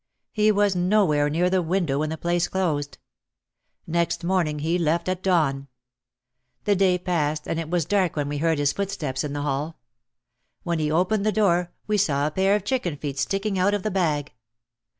He was nowhere near the "window" when the place closed. Next morning, he left at dawn. The day passed and it was dark when we heard his footsteps in the hall. When he opened the door, we saw a pair of chicken feet sticking out of the bag.